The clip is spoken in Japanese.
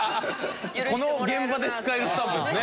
この現場で使えるスタンプですね。